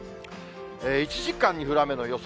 １時間に降る雨の予想